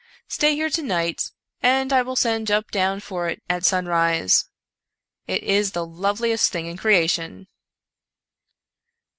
Stay here to night, and I will send Jup down for it at sun rise. It is the loveliest thing in creation